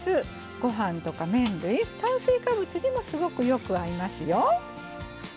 ごはんとか麺類炭水化物にもすごくよく合いますよ。